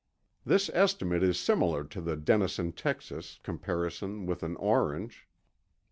This estimate is similar to the Denison, Texas, comparison with an orange.